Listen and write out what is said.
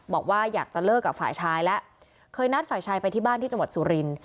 บอกว่าอยากจะเลิกกับฝ่ายชายแล้วเคยนัดฝ่ายชายไปที่บ้านที่จังหวัดสุรินทร์